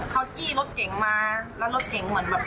มันเป็นทางโค้งก็โค้งมาปกติ